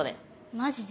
マジで？